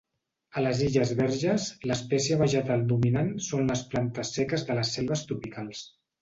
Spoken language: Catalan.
A les Illes Verges, l'espècie vegetal dominant són les plantes seques de les selves tropicals.